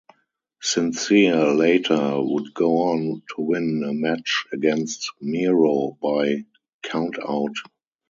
Sincere later would go on to win a match against Mero by countout.